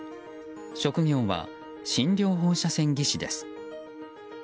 職業は診療放射線技師です。